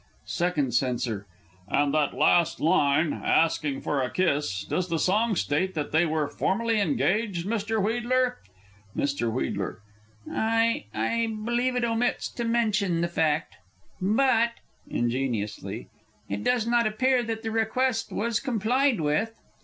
Second Censor. And that last line "asking for a kiss" does the song state that they were formally engaged, Mr. Wheedler? Mr. W. I I believe it omits to mention the fact. But (ingeniously) it does not appear that the request was complied with.